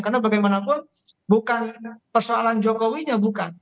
karena bagaimanapun bukan persoalan jokowinya bukan